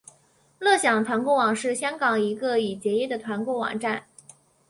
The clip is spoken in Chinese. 享乐团购网是香港一个已结业的团购网站。